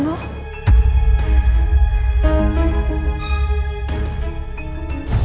tidak ada apa apa